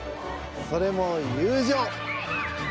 それも友情！